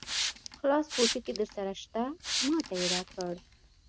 خلاص پوټکی درسره شته؟ ما ته یې راکړ.